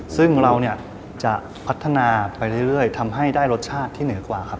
ซึ่งเราเนี่ยจะพัฒนาไปเรื่อยทำให้ได้รสชาติที่เหนือกว่าครับ